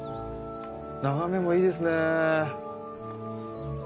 眺めもいいですね。